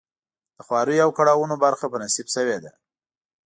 د خواریو او کړاوونو برخه په نصیب شوې ده.